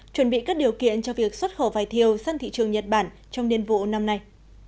chuẩn bị các điều kiện cho việc xuất khẩu vải thiều sang thị trường nhật bản trong niên vụ năm nay